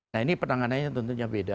nah ini penanganannya tentunya beda